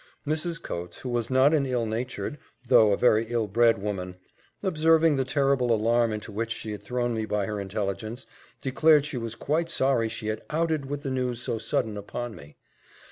Mrs. Coates, who was not an ill natured, though a very ill bred woman, observing the terrible alarm into which she had thrown me by her intelligence, declared she was quite sorry she had outed with the news so sudden upon me.